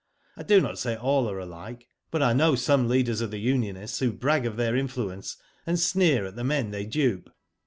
I do not say all are alike, but I know some leaders of the unionists who brag of their influence, and sneer at the men they dupe."